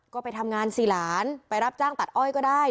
ก็ไปทำงานสี่หลานไปรับจ้างตัดอ้อยก็ได้